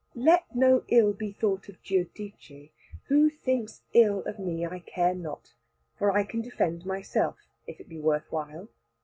Let no ill be thought of Giudice. Who thinks ill of me I care not, for I can defend myself, if it be worth while.